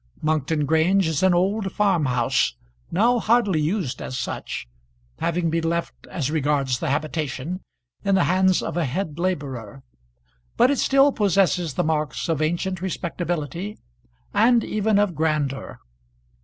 Monkton Grange is an old farm house, now hardly used as such, having been left, as regards the habitation, in the hands of a head labourer; but it still possesses the marks of ancient respectability and even of grandeur.